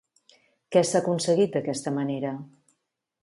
Què s'ha aconseguit d'aquesta manera?